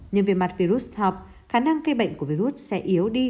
nhưng về mặt virus thọp khả năng phê bệnh của virus sẽ yếu đi